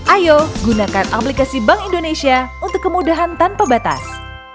ayo gunakan aplikasi bank indonesia untuk kemudahan tanpa batas